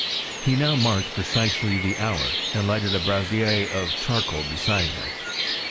He now marked precisely the hour, and lighted a brasier of charcoal beside him.